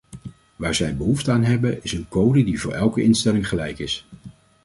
Waar zij behoefte aan hebben is een code die voor elke instelling gelijk is.